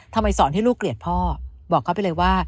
สอนให้ลูกเกลียดพ่อบอกเขาไปเลยว่า